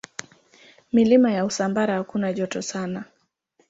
Milima ya Usambara hakuna joto sana.